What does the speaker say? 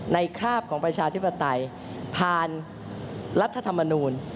คราบของประชาธิปไตยผ่านรัฐธรรมนูล